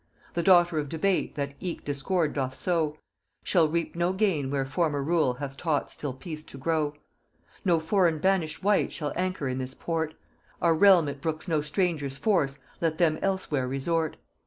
The Daughter of Debate that eke discord doth sow, Shall reap no gain where former rule hath taught still peace to grow. No foreign banish'd wight shall anchor in this port; Our realm it brooks no strangers' force, let them elsewhere resort.